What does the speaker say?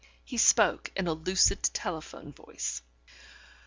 He spoke in a lucid telephone voice.